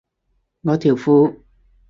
我條褲